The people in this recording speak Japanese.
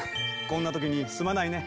こんな時にすまないね。